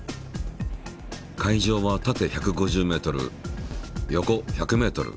会場は縦１５０ｍ横１００ｍ。